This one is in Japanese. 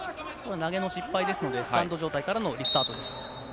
投げの失敗ですので、スタンド状態からのリスタートです。